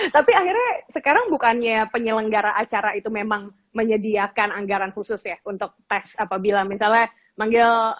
tapi akhirnya sekarang bukannya penyelenggara acara itu memang menyediakan anggaran khusus ya untuk tes apabila misalnya manggil